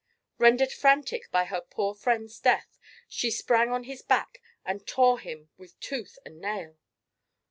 Rendered frantic by her poor friend's death, she sprang on his back and tore him with tooth and nail.